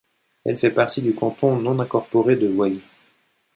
Elle fait partie du canton non incorporé de Way.